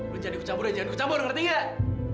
jangan ikut campur ya jangan ikut campur ngerti nggak